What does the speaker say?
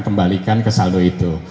kembalikan ke saldo itu